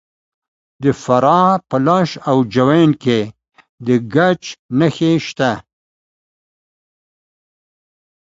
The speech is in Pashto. د فراه په لاش او جوین کې د ګچ نښې شته.